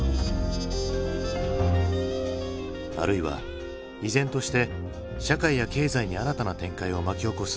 あるいは依然として社会や経済に新たな展開を巻き起こす